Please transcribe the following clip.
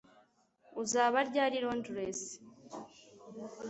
Uzaba ryari i Londres